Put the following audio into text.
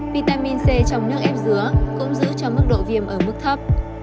vitamin c trong nước ép dứa cũng giữ cho mức độ viêm ở mức thấp